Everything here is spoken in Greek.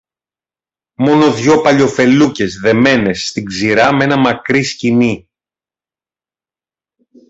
Μόνο δυο παλιοφελούκες δεμένες στην ξηρά μ' ένα μακρύ σκοινί